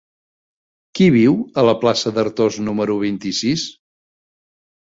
Qui viu a la plaça d'Artós número vint-i-sis?